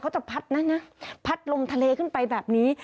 จะพัดนะนะพัดลมทะเลขึ้นไปแบบนี้